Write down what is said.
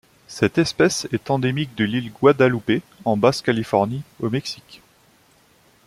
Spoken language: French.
Cette espèce est endémique de l'île Guadalupe en Basse-Californie au Mexique.